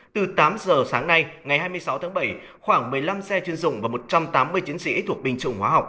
từ tám giờ sáng nay ngày hai mươi sáu tháng bảy khoảng một mươi năm xe chuyên dụng và một trăm tám mươi chiến sĩ thuộc binh chủng hóa học